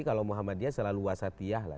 kalau muhammadiyah selalu wasatiyah